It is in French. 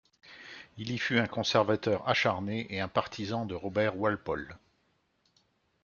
Il y fut un conservateur acharné et un partisan de Robert Walpole.